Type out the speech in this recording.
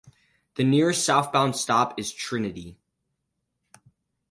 The nearest southbound stop is Trinity.